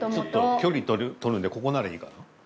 距離とるんでここならいいかな？